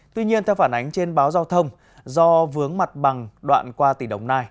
tuy nhiên theo phản ánh trên báo giao thông do vướng mặt bằng đoạn qua tỷ đồng này